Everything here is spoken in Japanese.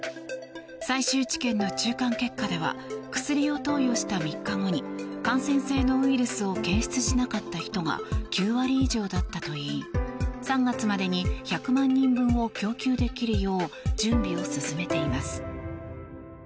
最終治験の中間結果では薬を投与した３日後に感染性のウイルスを検出しなかった人が９割以上だったといい３月までに１００万人分を供給できるよう準備を進めています。